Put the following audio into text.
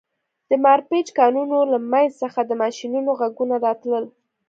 د مارپیچ کانونو له منځ څخه د ماشینونو غږونه راتلل